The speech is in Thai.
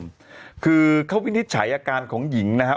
คือเขาวินิจฉัยอาการของหญิงนะครับ